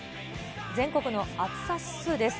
全国の暑さ指数です。